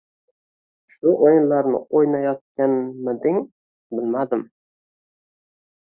Shu o’yinlarni o’ynayotganmiding bilmadim.